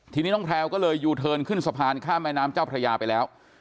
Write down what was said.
ทีนี้น้องแพลวก็เลยยูเทิร์นขึ้นสะพานข้ามแม่น้ำเจ้าพระยาไปแล้ว